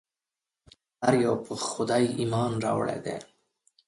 هر یو پر خدای ایمان راوړی دی.